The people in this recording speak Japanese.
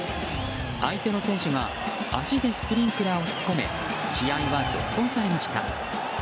相手の選手が足でスプリンクラーを引っ込め試合は続行されました。